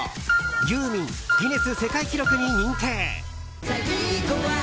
ユーミンギネス世界記録に認定！